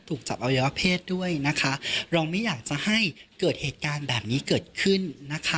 ถูกจับอวัยวะเพศด้วยนะคะเราไม่อยากจะให้เกิดเหตุการณ์แบบนี้เกิดขึ้นนะคะ